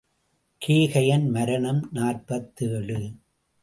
கேகயன் மரணம் நாற்பத்தேழு.